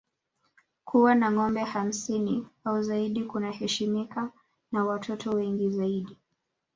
Kuwa na ngombe hamsini au zaidi kunaheshimika na watoto wengi zaidi